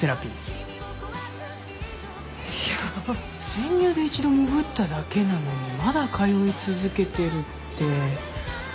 潜入で一度潜っただけなのにまだ通い続けてるって。